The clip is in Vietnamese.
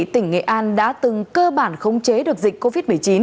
tỉnh nghệ an đã từng cơ bản khống chế được dịch covid một mươi chín